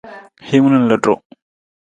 Hiwung na lutu.